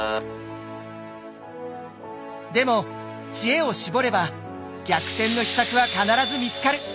でも知恵を絞れば逆転の秘策は必ず見つかる！